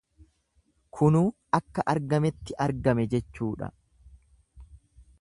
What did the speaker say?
Kunuu akka argametti argame jechuudha.